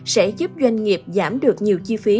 sẽ giúp doanh nghiệp giảm được nhiều chi phí